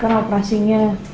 karena operasinya cukup besar